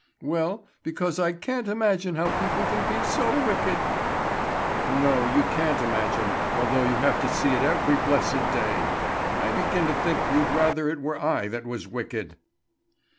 "Well, because I can't imagine how people can be so wicked." "No, you can't imagine, although you have to see it every blessed day. I begin to think you'd rather it were I that was wicked."